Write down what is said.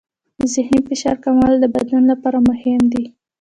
د ذهني فشار کمول د بدن لپاره مهم دي.